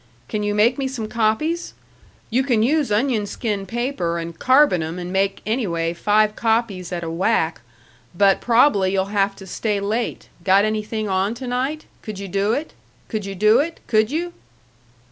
Can you make me some copies? You can use onion skin paper and carbon 'em and make anyway five copies at a whack. But prob'ly you'd have to stay late. Got anything on to night? Could you do it? Could you do it? Could you?"